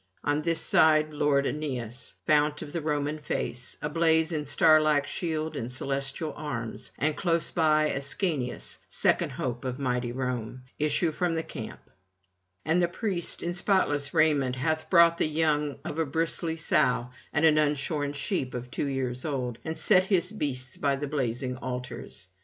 On this side lord Aeneas, fount of the Roman race, ablaze in starlike shield and celestial arms, and close by Ascanius, second hope of mighty Rome, issue from the camp; and the priest, in spotless raiment, hath brought the young of a bristly sow and an unshorn sheep of two years old, and set his beasts by the blazing altars.